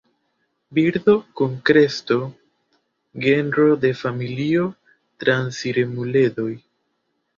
Birdo kun kresto, genro el familio transiremuledoj.